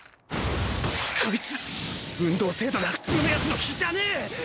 こいつ運動精度が普通のヤツの比じゃねぇ！